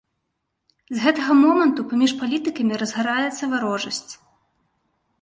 З гэтага моманту паміж палітыкамі разгараецца варожасць.